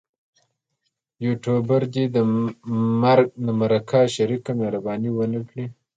یوټوبر دې د مرکه شریک مهرباني ونه ګڼي.